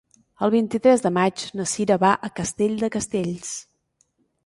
El vint-i-tres de maig na Sira va a Castell de Castells.